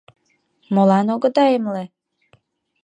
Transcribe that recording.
«Молан огыда эмле?